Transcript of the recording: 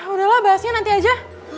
udahlah bahasnya nanti aja